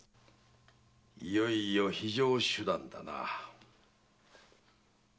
いよいよ非常手段だな。